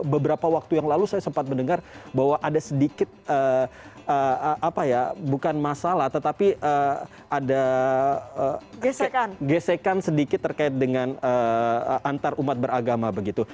beberapa waktu yang lalu saya sempat mendengar bahwa ada sedikit apa ya bukan masalah tetapi ada gesekan sedikit terkait dengan antarumat beragama begitu